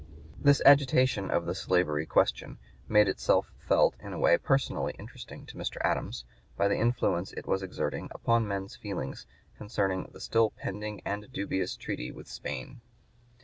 This agitation of the slavery question made itself felt in a way personally interesting to Mr. Adams, by the influence it was exerting upon men's feelings concerning the still pending and dubious treaty with Spain.